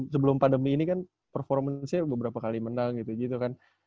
sebelum pandemi ini kan performasinya beberapa kali menang gitu kan